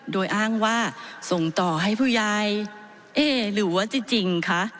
โดยอ้างว่าส่งต่อให้ผู้ใหญ่เอ๊หรือว่าจริงคะ